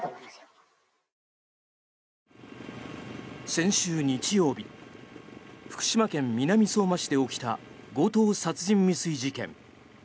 先週日曜日福島県南相馬市で起きた強盗殺人未遂事件。